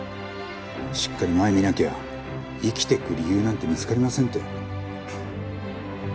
しっかり前見なきゃ生きていく理由なんて見つかりませんって。